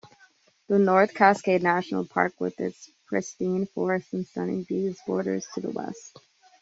The North Cascades National Park-with its pristine forests and stunning views-borders to the west.